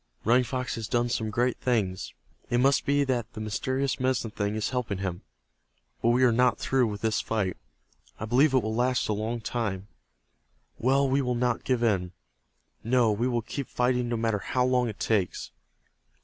Running Fox has done some great things. It must be that the mysterious Medicine Thing is helping him. But we are not through with this fight. I believe it will last a long time. Well, we will not give in. No, we will keep fighting no matter how long it takes.